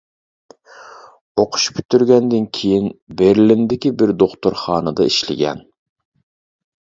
ئوقۇش پۈتتۈرگەندىن كېيىن بېرلىندىكى بىر دوختۇرخانىدا ئىشلىگەن.